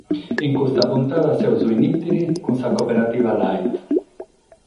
In custa puntada semus in Ittiri cun sa Cooperativa Lait.